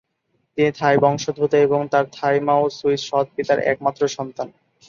তিনি থাই বংশোদ্ভূত এবং তার থাই মা ও সুইস সৎ-পিতার একমাত্র সন্তান।